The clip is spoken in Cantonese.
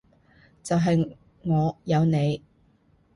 就係我有你